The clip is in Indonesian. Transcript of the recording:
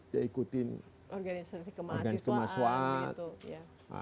dia ikutin organisasi kemahasiswaan